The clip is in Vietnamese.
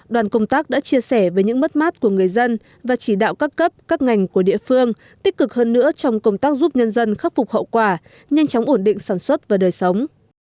đoàn công tác đã chia sẻ về những mất mát của người dân và chỉ đạo các cấp các ngành của địa phương tích cực hơn nữa trong công tác giúp nhân dân khắc phục hậu quả nhanh chóng ổn định sản xuất và đời sống